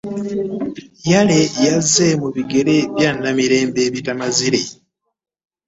Yale azze mu bigere bya Namirembe Bitamazire